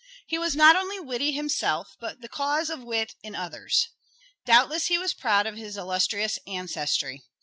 ... He was not only witty himself but the cause of wit in others. .. Doubtless he was proud of his illustrious ancestry.